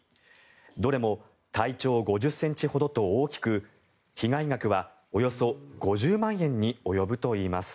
どれも体長５０ｃｍほどと大きく被害額はおよそ５０万円に及ぶといいます。